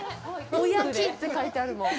「おやき」って書いてあるもん。